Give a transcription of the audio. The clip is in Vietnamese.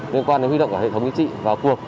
liên quan đến huy động hệ thống chính trị và cuộc